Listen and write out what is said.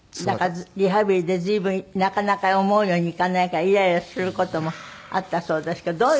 だからリハビリで随分なかなか思うようにいかないからイライラする事もあったそうですけど。